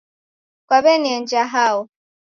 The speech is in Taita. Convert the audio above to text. Kwaw'enienja hao